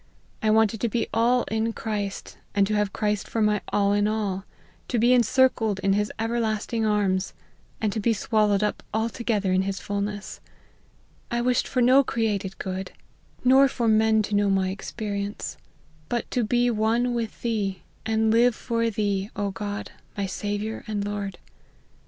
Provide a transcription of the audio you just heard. I wanted to be all in Christ, and to have Christ for my ' all in all ;' 1& be encircled in his ^everlasting arms, and to be swallowed up altogether in his fulness. * I wished for no created good, nor for men to know my ex 54 LIFE OF HENRY MARTYN. perience : but to be one with thee, and live for thee, God, my Saviour and Lord.